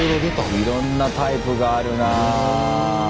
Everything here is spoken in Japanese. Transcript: いろんなタイプがあるな。